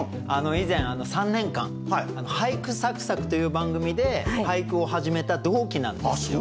以前３年間「俳句さく咲く！」という番組で俳句を始めた同期なんですよ。